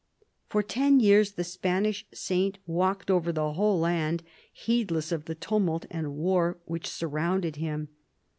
For ten years the Spanish saint walked over the whole land, heedless of the tumult and war which surrounded him.